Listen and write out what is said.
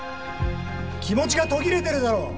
気持ちが途切れてるだろ！